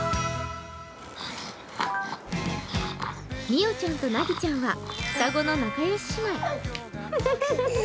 みおちゃんとなぎちゃんは双子の仲良し姉妹。